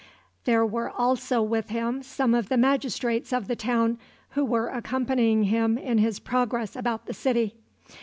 There were also with him some of the magistrates of the town, who were accompanying him in his progress about the city.